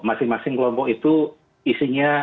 masing masing kelompok itu isinya seratus orang